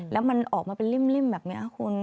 แล้วมันออกมาเป็นเล่มแบบนี้คุณ